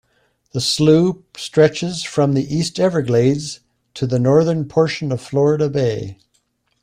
The slough stretches from the east everglades, to the northern portion of Florida Bay.